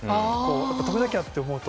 止めなきゃって思うと。